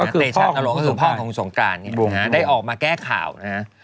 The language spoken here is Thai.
ก็คือพ่อของคุณสงกรานได้ออกมาแก้ข่าวนะครับ